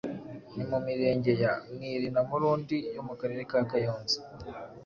ni mu mirenge ya: Mwili na Murundi yo mu Karere ka Kayonza,